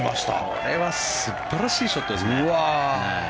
これは素晴らしいショットですね。